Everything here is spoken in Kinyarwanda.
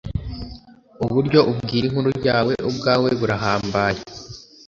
Uburyo ubwira inkuru yawe ubwawe burahambaye.”